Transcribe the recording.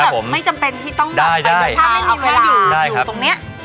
ที่แบบไม่จำเป็นที่ต้องแบบไปโดยท่าไม่มีเวลาอยู่ตรงเนี้ยเราออกกำลังกายได้